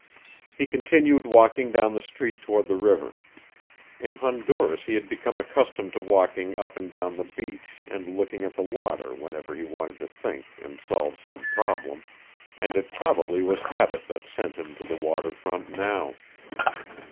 He continued walking down the street toward the river. In Honduras he had become accustomed to walking up and down the beach and looking at the water whenever he wanted to think and solve some problem, and it probably was habit that sent him to the water front now.